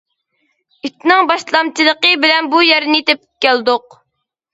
ئىتنىڭ باشلامچىلىقى بىلەن بۇ يەرنى تېپىپ كەلدۇق.